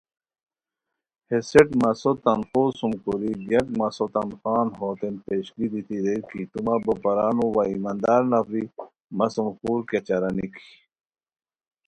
ہےسیٹ مسو تنخواہو سُم کوری گیاک مسو تنخواہان ہوتین پیشکی دیتی ریر کی تو مہ بو پرانو وا ایماندار نفری مہ سُم خور کیہ چارہ نِکی